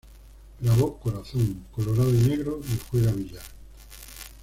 Grabó "Corazón", "Colorado y Negro" y "Juega Billar".